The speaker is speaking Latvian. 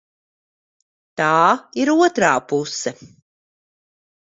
Tā ir otrā puse.